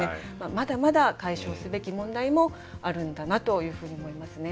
まだまだ解消すべき問題もあるんだなというふうに思いますね。